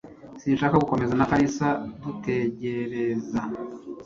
Sinshaka gukomeza na Kalisa dutegereza.